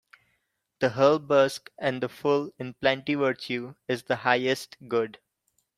The hull husk and the full in plenty Virtue is the highest good